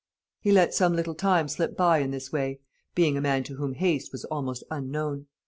He let some little time slip by in this way, being a man to whom haste was almost unknown.